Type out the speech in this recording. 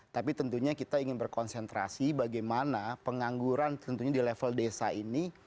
tapi tentunya kita ingin berkonsentrasi bagaimana pengangguran tentunya di level desa ini